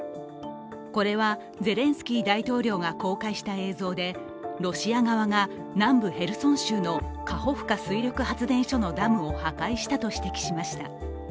これはゼレンスキー大統領が公開した映像で、ロシア側が南部ヘルソン州のカホフカ水力発電所のダムを破壊したと指摘しました。